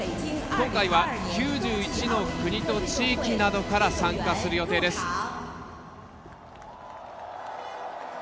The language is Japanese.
今回は、９１の国と地域などから参加する予定です。